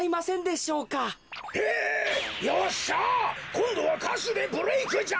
こんどはかしゅでブレークじゃ！